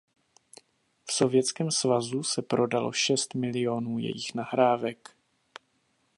V Sovětském svazu se prodalo šest milionů jejích nahrávek.